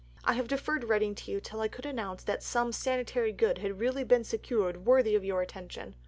I have deferred writing to you till I could announce that some sanitary good had really been secured worthy of your attention.